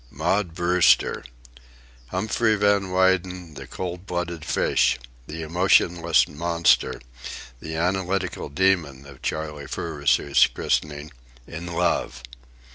Maud Brewster! Humphrey Van Weyden, "the cold blooded fish," the "emotionless monster," the "analytical demon," of Charley Furuseth's christening, in love!